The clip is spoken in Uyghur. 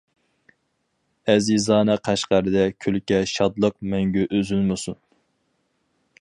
ئەزىزانە قەشقەردە كۈلكە شادلىق مەڭگۈ ئۈزۈلمىسۇن.